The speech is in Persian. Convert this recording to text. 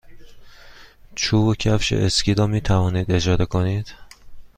چوب و کفش اسکی را می توانید اجاره کنید.